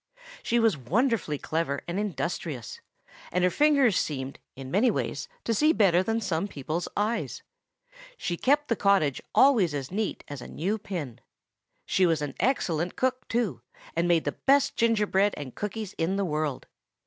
She was wonderfully clever and industrious; and her fingers seemed, in many ways, to see better than some people's eyes. She kept the cottage always as neat as a new pin. She was an excellent cook, too, and made the best gingerbread and cookies in the world.